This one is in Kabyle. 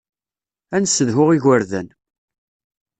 Ad nessedhu igerdan.